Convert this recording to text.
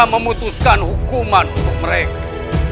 memutuskan hukuman untuk mereka